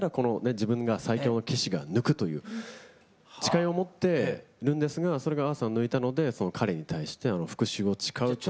自分が最強の騎士が抜くという誓いを持ってるんですがそれがアーサー抜いたので彼に対して復讐を誓うという。